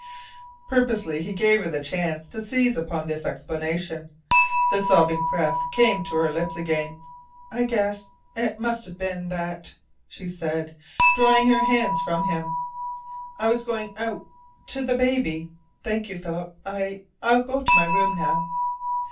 Purposely he gave her the chance to seize upon this explanation. The sobbing breath came to her lips again. "I guess it must have been that," she said, drawing her hands from him. "I was going out to the baby. Thank you, Philip. I I will go to my room now."